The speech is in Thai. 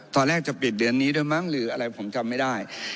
ตอนแรกจะปิดเดือนนี้ด้วยมั้งหรืออะไรผมจำไม่ได้